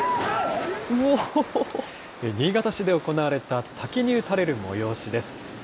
新潟市で行われた滝に打たれる催しです。